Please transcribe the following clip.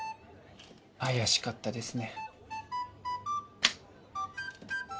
怪しかったですね。